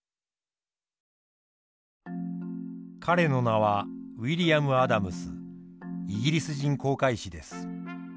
彼の名はウィリアム・アダムスイギリス人航海士です。